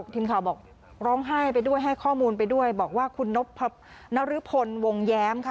ทีมข่าวบอกร้องไห้ไปด้วยให้ข้อมูลไปด้วยบอกว่าคุณนรพลวงแย้มค่ะ